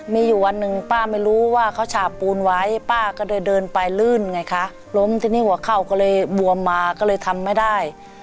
มีอยู่วันหนึ่งป้าไม่รู้ว่าเขาฉาบปูนไว้ป้าก็เลยเดินไปลื่นไงคะล้มทีนี้หัวเข่าก็เลยบวมมาก็เลยทำไม่ได้